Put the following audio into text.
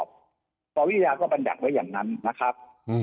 พระวิทยาก็บรรยาก็อย่างนั้นนะครับ